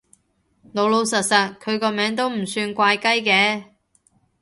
老老實實，佢個名都唔算怪雞嘅